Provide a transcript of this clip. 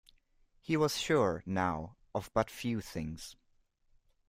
He was sure, now, of but few things.